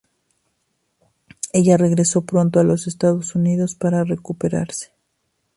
Ella regreso pronto a los Estados Unidos para recuperarse.